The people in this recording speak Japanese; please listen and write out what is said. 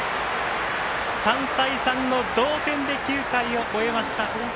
３対３の同点で９回を終えました。